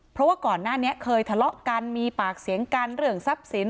เพราะว่าก่อนหน้านี้เคยทะเลาะกันมีปากเสียงกันเรื่องทรัพย์สิน